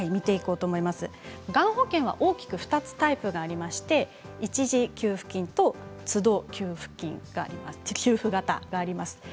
がん保険には大きく２つタイプがありまして一時給付型と都度給付型があります。